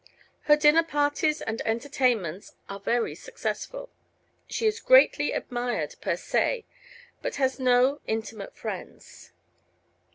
Her dinner parties and entertainments are very successful. She is greatly admired, per se, but has no intimate friends.